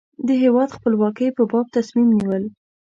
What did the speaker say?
د هېواد خپلواکۍ په باب تصمیم نیول.